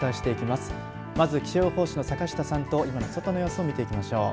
まず、気象予報士の坂下さんと外の様子を見ていきましょう。